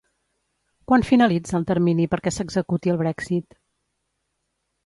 Quan finalitza el termini perquè s'executi el Brexit?